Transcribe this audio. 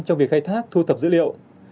trong việc khai thác thu thập dữ liệu